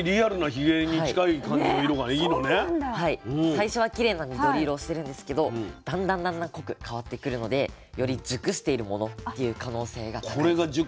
最初はきれいな緑色をしてるんですけどだんだんだんだん濃く変わってくるのでより熟しているものっていう可能性が高くて。